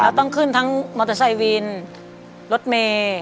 เราต้องขึ้นทางมอเตอร์ไซวินรถเมล์